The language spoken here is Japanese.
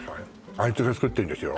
あいつが作ってんですよ